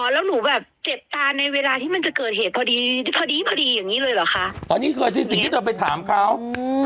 แล้วหนูแบบเจ็บตาในเวลาที่มันจะเกิดเหตุพอดีพอดีอย่างงี้เลยเหรอคะอ๋อนี่คือสิ่งที่เธอไปถามเขาอืม